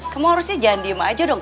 kamu harusnya jangan diem aja dong